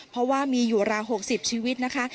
เพราะว่ามีอยู่ราว๖๐ชีวิตนะคะ